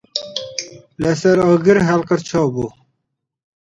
لەسەر ئاگر هەڵقرچابوو.